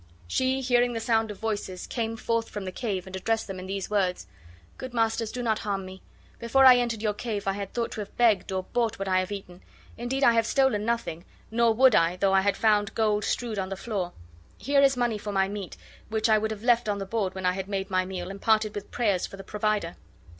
She, hearing the sound of voices, came forth from the cave and addressed them in these words: "Good masters, do not harm me. Before I entered your cave I had thought to have begged or bought what I have eaten. Indeed, I have stolen nothing, nor would I, though I had found gold strewed on the floor. Here is money for my meat, which I would have left on the board when I had made my meal, and parted with prayers for the provider."